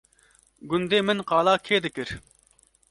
gundê min qala kê dikir